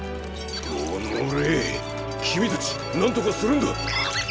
おのれきみたちなんとかするんだ。